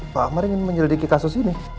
pak akbar ingin menyelidiki kasus ini